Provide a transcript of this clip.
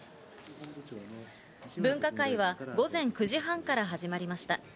分科会は午前９時半から始まりました。